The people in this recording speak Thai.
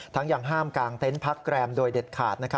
ทั้งอย่างห้ามกางเต็นต์พักแกรมโดยเด็ดขาดนะครับ